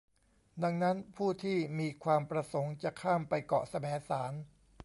ดังนั้นผู้ที่มีความประสงค์จะข้ามไปเกาะแสมสาร